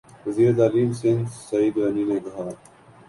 وزیر تعلیم سندھ سعید غنی نےکہا